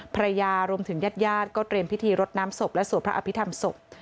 ภรรยารวมถึงญาติญาติก็เตรียมพิธีรดน้ำศพและสวดพระอภิษฐรรมศพ